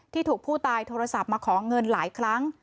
ถูกผู้ตายโทรศัพท์มาขอเงินหลายครั้ง